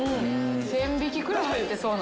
１，０００匹くらい入ってそうな。